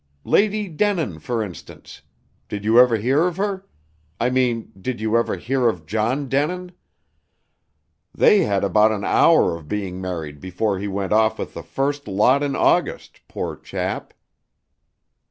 Lady Denin, for instance. Did you ever hear of her? I mean, did you ever hear of John Denin? They had about an hour of being married before he went off with the first lot in August, poor chap."